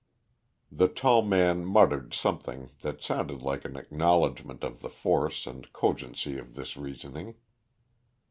The tall man muttered something that sounded like an acknowledgment of the force and cogency of this reasoning.